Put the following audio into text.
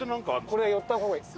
これは寄った方がいい。